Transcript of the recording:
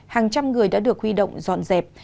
hàng trăm người đã được huy động dọn dẹp